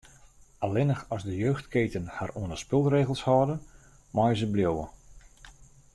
Allinnich as de jeugdketen har oan de spulregels hâlde, meie se bliuwe.